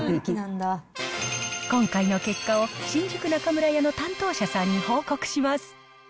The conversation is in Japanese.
今回の結果を新宿中村屋の担当者さんに報告します。